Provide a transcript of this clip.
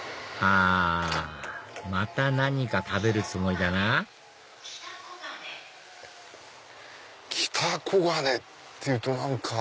あまた何か食べるつもりだな北小金っていうと何か。